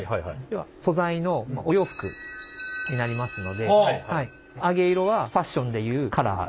要は素材のお洋服になりますので揚げ色はファッションでいうカラー。